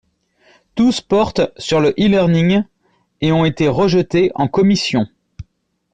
Tous portent sur le e-learning et ont été rejetés en commission.